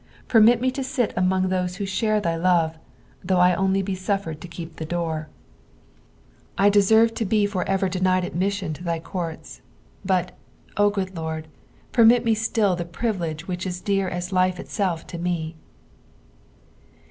Permit me to sit among those who share thy love, though I only be sufiervd to keep the door. I 454 EXPOSITIONS OF THE FSALVB. deserre to be forever denied admiuinn to thy coiirtG ; bat, 0 good Lord, permit me etill the privilege which is dear as life itself to me.